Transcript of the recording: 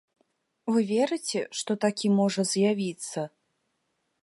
Вы верыце, што такі можа з'явіцца?